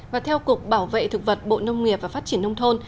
và theo cục bảo vệ thực vật bộ nông nghiệp và phát triển nông thôn